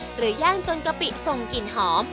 หรือย่างจนกะปิส่งกลิ่นหอม